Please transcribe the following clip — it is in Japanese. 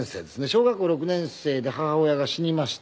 小学校６年生で母親が死にまして。